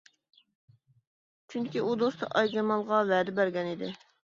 چۈنكى ئۇ دوستى ئايجامالغا ۋەدە بەرگەن ئىدى.